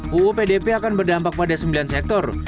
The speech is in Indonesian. uu pdp akan berdampak pada sembilan sektor